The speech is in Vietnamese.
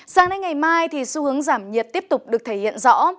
sang đến ngày mai thì xu hướng giảm nhiệt tiếp tục được thể hiện rõ